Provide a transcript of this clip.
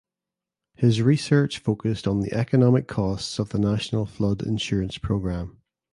His research focused on the economic costs of the National Flood Insurance Program.